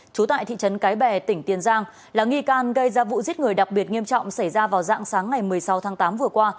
trú tại thị trấn cái bè tỉnh tiền giang là nghi can gây ra vụ giết người đặc biệt nghiêm trọng xảy ra vào dạng sáng ngày một mươi sáu tháng tám vừa qua